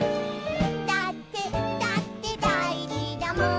「だってだってだいじだもん」